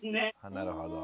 なるほど。